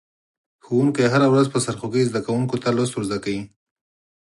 ښوونکی هره ورځ په سرخوږي زده کونکو ته لوست ور زده کوي.